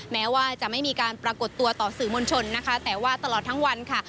แม้ว่าจะไม่มีการปรากฏตัวต่อสื่อมวลชนนะคะแต่ว่าตลอดทั้งวันค่ะ